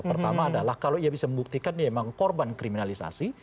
pertama adalah kalau ia bisa membuktikan dia memang korban kriminalisasi